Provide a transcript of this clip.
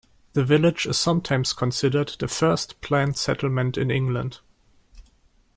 The village is sometimes considered the first planned settlement in England.